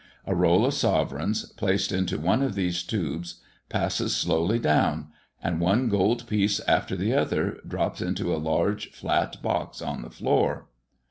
A roll of sovereigns, placed into one of these tubes, passes slowly down, and one gold piece after the other drops into a large box on the floor.